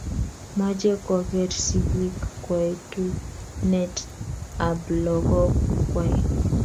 mache koker sigik kaetunet ab lagok kwai